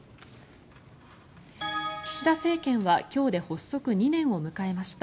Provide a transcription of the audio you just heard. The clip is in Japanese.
岸田政権は今日で発足２年を迎えました。